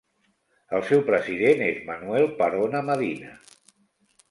El seu president és Manuel Perona Medina.